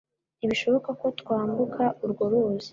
Ntibishoboka ko twambuka urwo ruzi.